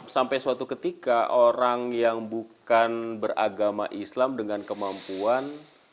sampai suatu ketika orang yang bukan beragama islam dengan kemampuan